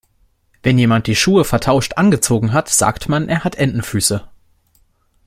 Wenn jemand die Schuhe vertauscht angezogen hat, sagt man, er hat Entenfüße.